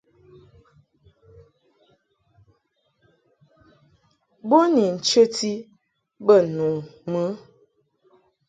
Bo ni nchəti bə nu mɨ.